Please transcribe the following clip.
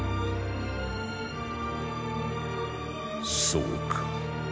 そうか。